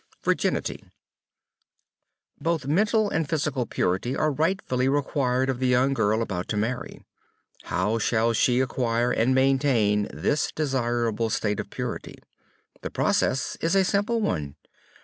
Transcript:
VIRGINITY Both mental and physical purity are rightfully required of the young girl about to marry. How shall she acquire and maintain this desirable state of purity? The process is a simple one.